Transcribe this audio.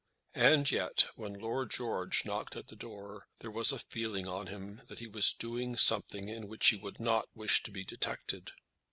And yet when Lord George knocked at the door there was a feeling on him that he was doing something in which he would not wish to be detected.